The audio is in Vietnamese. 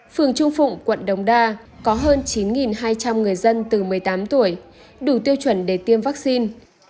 phường trung phụng quận đống đa có hơn chín hai trăm linh người dân từ một mươi tám tuổi đủ tiêu chuẩn để tiêm vắc xin